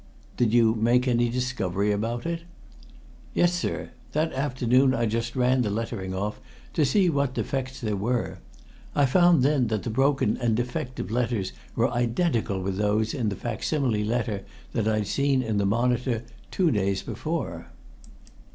"Did you make any discovery about it?" "Yes, sir. That afternoon I just ran the lettering off, to see what defects there were. I found then that the broken and defective letters were identical with those in the facsimile letter that I'd seen in the Monitor two days before."